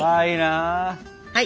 はい！